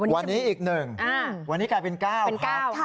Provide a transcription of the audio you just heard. วันนี้อีก๑วันนี้กลายเป็น๙พัก